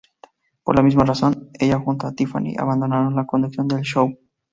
Por la misma razón, ella junto a Tiffany abandonaron la conducción de "Show!